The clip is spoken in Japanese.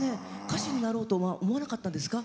歌手になろうとは思わなかったんですか？